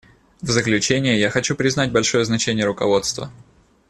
В заключение я хочу признать большое значение руководства.